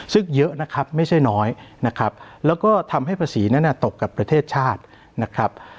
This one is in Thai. ซึ่งเยอะนะครับไม่ใช่น้อยนะครับแล้วก็ทำให้ภาษีนั้นตกกับประเทศชาตินะครับ